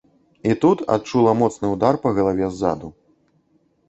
І тут адчула моцны ўдар па галаве ззаду.